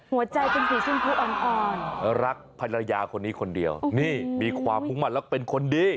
หัวใจเป็นสีชมพูอ่อนรักภรรยาคนนี้คนเดียวนี่มีความมุ่งมั่นและเป็นคนดี